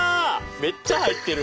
めっちゃ入ってる。